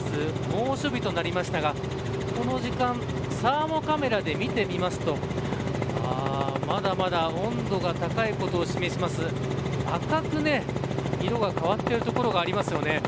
猛暑日となりましたがこの時間サーモカメラで見てみますとまだまだ温度が高いことを示します赤く色が変わっている所がありますよね。